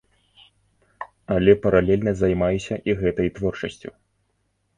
Але паралельна займаюся і гэтай творчасцю.